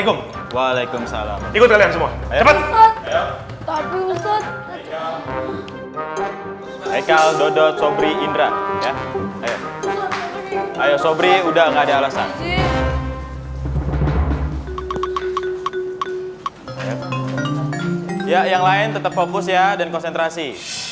iya yang lain tetap fokus ya dan konsentrasi